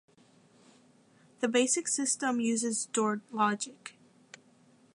The basic system uses door logic.